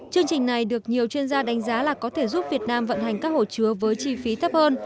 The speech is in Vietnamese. chương trình này được nhiều chuyên gia đánh giá là có thể giúp việt nam vận hành các hồ chứa với chi phí thấp hơn